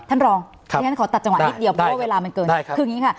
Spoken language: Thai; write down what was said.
ท่านหลองเขาจะตัดจังหวะก่อนนะคะ